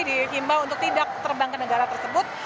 di himba untuk tidak terbang ke negara tersebut